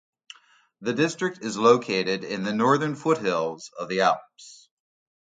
The district is located in the northern foothills of the Alps.